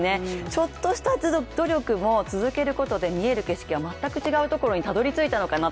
ちょっとした努力も続けることで見える景色は全く違うところにたどり着いたのかな